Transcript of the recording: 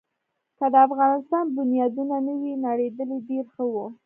که د افغانستان بنیادونه نه وی نړېدلي، ډېر ښه وو.